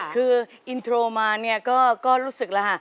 คืออินโทรมาก็รู้สึกแล้วฮะ